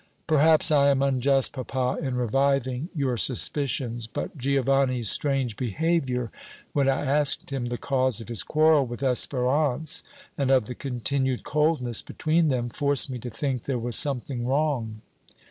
"Perhaps I am unjust, papa, in reviving your suspicions, but Giovanni's strange behavior when I asked him the cause of his quarrel with Espérance and of the continued coldness between them, forced me to think there was something wrong."